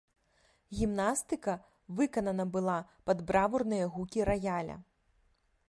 Гімнастыка выканана была пад бравурныя гукі раяля.